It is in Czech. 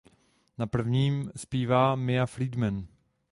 Na prvním zpívá Maia Friedman.